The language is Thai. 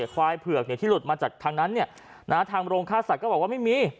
ควายเผือกที่หลุดมาจากทางนั้นทางโรงฆ่าสัตว์ก็บอกว่าไม่มี